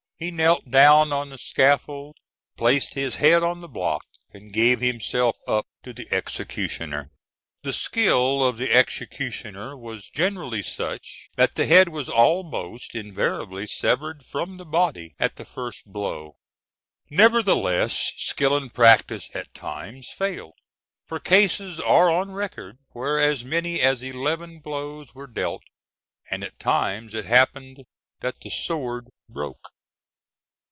He knelt down on the scaffold, placed his head on the block, and gave himself up to the executioner (Fig. 347). The skill of the executioner was generally such that the head was almost invariably severed from the body at the first blow. Nevertheless, skill and practice at times failed, for cases are on record where as many as eleven blows were dealt, and at times it happened that the sword broke.